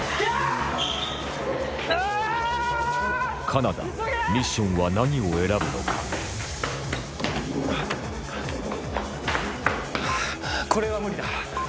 金田ミッションは何を選ぶのかこれは無理だ。